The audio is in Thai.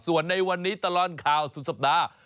ส่วนในวันนี้ตลอดข่าวสุดสัปดาห์